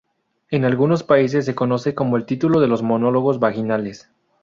En algunos países se conoce con el título de Los monólogos vaginales.